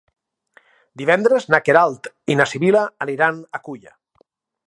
Divendres na Queralt i na Sibil·la aniran a Culla.